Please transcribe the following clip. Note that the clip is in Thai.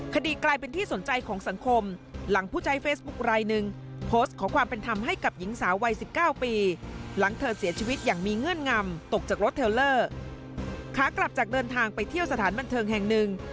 กลายเป็นที่สนใจของสังคมหลังผู้ใช้เฟซบุ๊คลายหนึ่งโพสต์ขอความเป็นธรรมให้กับหญิงสาววัย๑๙ปีหลังเธอเสียชีวิตอย่างมีเงื่อนงำตกจากรถเทลเลอร์ขากลับจากเดินทางไปเที่ยวสถานบันเทิงแห่งหนึ่ง